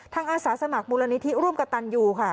อาสาสมัครมูลนิธิร่วมกับตันยูค่ะ